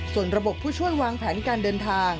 ส่วนระบบผู้ช่วยวางแผนการเดินทาง